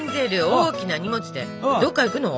大きな荷物でどっか行くの？